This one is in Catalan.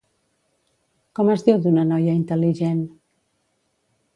Com es diu d'una noia intel·ligent?